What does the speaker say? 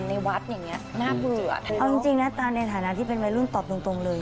ในวัดอย่างเงี้ยน่าเบื่อเอาจริงจริงนะตามในฐานะที่เป็นวัยรุ่นตอบตรงตรงเลย